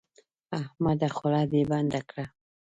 احمده خوله دې بنده کړه.